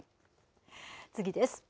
次です。